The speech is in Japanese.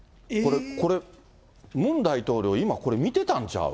これ、ムン大統領、今、これ見てたんちゃう？